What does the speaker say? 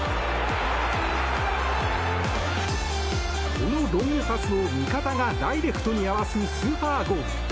このロングパスを味方がダイレクトに合わすスーパーゴール。